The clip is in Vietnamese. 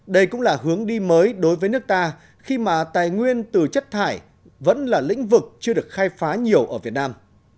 đây cũng là hướng đi mới đối với nước ta khi mà tài nguyên từ chất thải vẫn là lĩnh vực chưa được khai phá nhiều ở việt nam